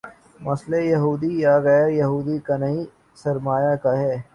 مسئلہ یہودی یا غیر یہودی کا نہیں، سرمائے کا ہے۔